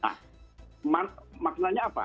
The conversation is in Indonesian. nah maknanya apa